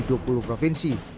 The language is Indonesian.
di seluruh provinsi